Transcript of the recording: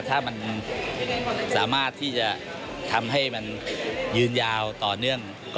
ถ้ามันสามารถที่จะทำให้มันยืนยาวต่อเนื่อง